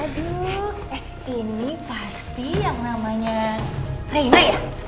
aduh eh ini pasti yang namanya raina ya